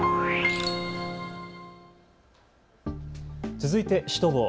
続いてシュトボー。